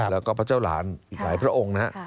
แล้วก็พระเจ้าหลานอีกหลายพระองค์นะครับ